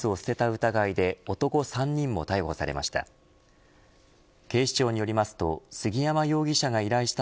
疑いで男３人も逮捕されました。